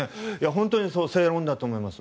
本当に正論だと思います。